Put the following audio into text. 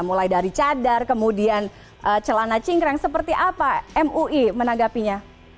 mulai dari cadar kemudian celana cingkrang seperti apa mui menanggapinya